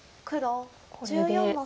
これで。